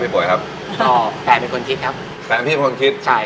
พี่ป๋วยครับอ๋อแฟนเป็นคนคิดครับแฟนพี่เป็นคนคิดใช่ครับ